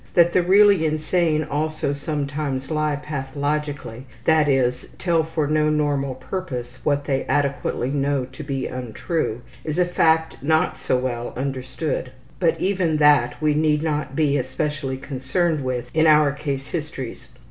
That the really insane also sometimes lie pathologically, that is, tell for no normal purpose what they adequately know to be untrue, is a fact not so well understood. But even that we need not be especially concerned with in our case histories.